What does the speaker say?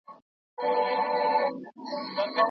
که علم وي نو سال نه وي.